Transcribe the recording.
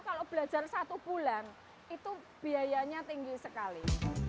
kalau belajar satu bulan itu biayanya tinggi sekali